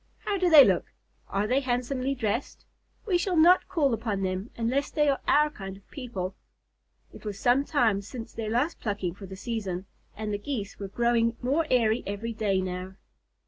How do they look? Are they handsomely dressed? We shall not call upon them unless they are our kind of people." It was some time since their last plucking for the season, and the Geese were growing more airy every day now.